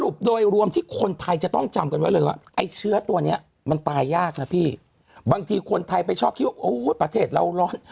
บางทีคนไทยไปชอบคิดว่าโอ้ยประเทศเราร้อน